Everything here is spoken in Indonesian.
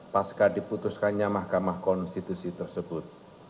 pasca diputuskannya mahkamah konstitusi tersebut